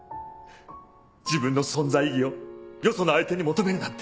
自分の存在意義をよその相手に求めるなんて。